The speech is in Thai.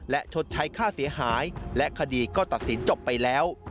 และชดใช้ค่าเสียหายและคดีก็ตัดสินจบไปแล้ว